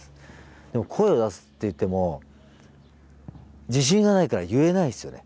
でも声を出すっていっても自信がないから言えないんですよね。